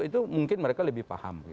itu mungkin mereka lebih paham